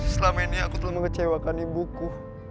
selama ini aku telah mengecewakan ibuku